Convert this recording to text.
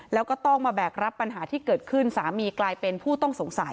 แล้วก็ต้องมาแบกรับปัญหาที่เกิดขึ้นสามีกลายเป็นผู้ต้องสงสัย